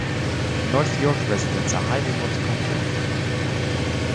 North York residents are highly multicultural.